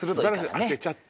当てちゃった。